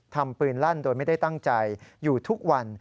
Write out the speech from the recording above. ทำปืนลั่นโดยไม่ได้ตั้งใจอยู่ทุกวัน